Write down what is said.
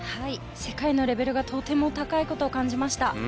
世界のレベルがとても高いことを感じました。